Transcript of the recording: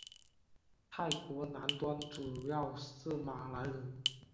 泰国南端主要是马来人。